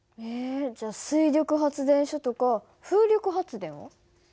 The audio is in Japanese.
えじゃあ水力発電所とか風力発電は？